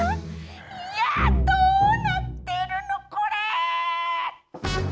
いや、どうなってるのこれ。